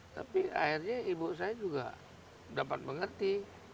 tapi akhirnya ibu saya juga dapat mengerti